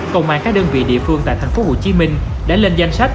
công an các đơn vị địa phương tại thành phố hồ chí minh đã lên danh sách